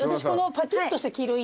パキッとした黄色で。